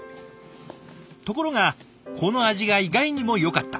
ところがこの味が意外にもよかった。